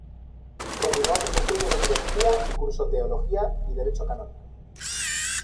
Continuó sus estudios de filosofía y curso teología y derecho canónico.